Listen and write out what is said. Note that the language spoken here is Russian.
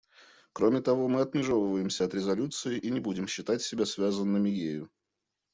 Кроме того, мы отмежевываемся от резолюции и не будем считать себя связанными ею.